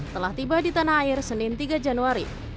telah tiba di tanah air senin tiga januari